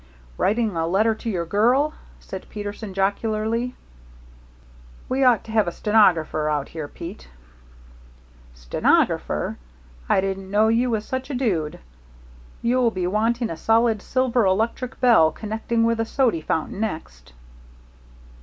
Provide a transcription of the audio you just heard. "Writing a letter to your girl?" said Peterson, jocularly. "We ought to have a stenographer out here, Pete." "Stenographer! I didn't know you was such a dude. You'll be wanting a solid silver electric bell connecting with the sody fountain next."